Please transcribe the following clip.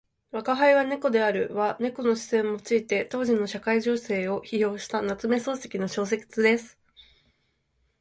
「吾輩は猫である」は猫の視線を用いて当時の社会情勢を批評した夏目漱石の小説です。